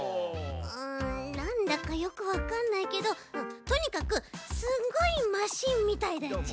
んなんだかよくわかんないけどとにかくすっごいマシンみたいだち。